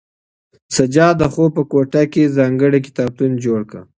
سجاد د خوب په کوټه کې ځانګړی کتابتون جوړ کړ.